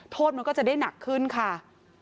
โทษมันก็จะได้หนักขึ้นค่ะ